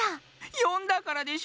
よんだからでしょ！